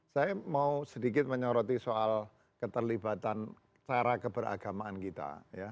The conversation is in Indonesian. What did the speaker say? saya mau sedikit menyoroti soal keterlibatan cara keberagamaan kita